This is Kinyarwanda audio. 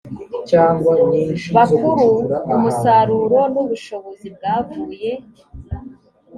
bakuru umusaruro n ubushobozi byavuye